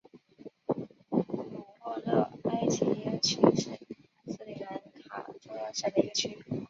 努沃勒埃利耶区是斯里兰卡中央省的一个区。